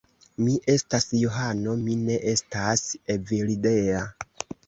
Mi estas Johano, mi ne estas Evildea.